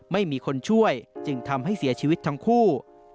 ไม่มีคนช่วยจึงทำให้เสียชีวิตทั้งคู่